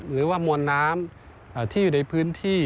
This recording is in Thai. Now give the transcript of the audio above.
หรือว่ามวลน้ำที่อยู่ในพื้นที่